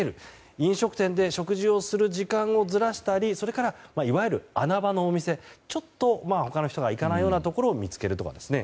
飲食店で食事をする時間をずらしたりそれから、いわゆる穴場のお店ちょっと他の人が行かないようなところを見つけるとかですね。